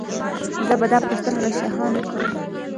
زه به دا پوښتنه له شاهانو کوم.